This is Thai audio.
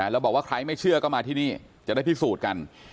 แล้วบอกว่าใครไม่เชื่อก็มาที่นี่จะได้พิสูจน์กัน